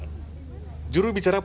juru bicara provinsi indonesia